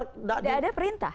tidak ada perintah